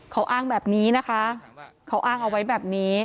เขาอ้างแบบนี้นะคะเขาอ้างเอาไว้แบบนี้